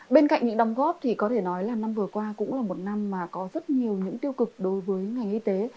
bên cạnh những đồng góp thì có thể nói là năm vừa qua cũng là một năm mà có rất nhiều những tiêu cực đối với ngành y tế